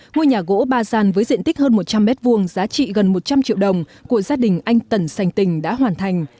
ngôi nhà gỗ ba gian với diện tích hơn một trăm linh m hai giá trị gần một trăm linh triệu đồng của gia đình anh tẩn sành tình đã hoàn thành